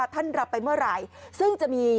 รับไปเมื่อไหร่ซึ่งจะมี